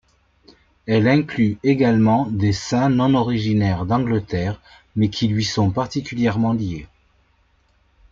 Elle inclut également des saints non originaires d'Angleterre, mais qui lui sont particulièrement liés.